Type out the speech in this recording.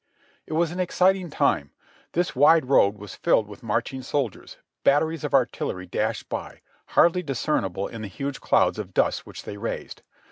It was an exciting time. This wide road was filled with march ing soldiers, batteries of artillery dashed by, hardly discernible in the huge clouds of dust which they raised.